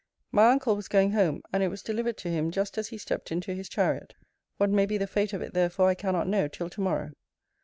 My uncle was going home, and it was delivered to him just as he stepped into his chariot. What may be the fate of it therefore I cannot know till to morrow.